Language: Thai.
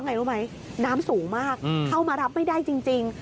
ใช่ไม่ใช่แค่หน้าห้อง